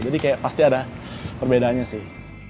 jadi kayak pasti ada perbedaannya sih